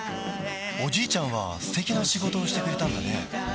おじいちゃんは素敵な仕事をしてくれたんだね